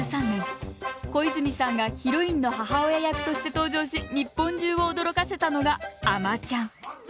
２０１３年小泉さんがヒロインの母親役として登場し日本中を驚かせたのが「あまちゃん」。